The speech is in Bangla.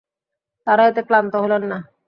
তারা এতে ক্লান্ত হলেন না।